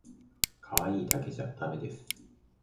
かわいいだけじゃだめです